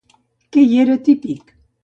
Què hi era típic?